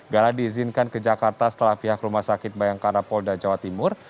gala diizinkan ke jakarta setelah pihak rumah sakit bayangkara polda jawa timur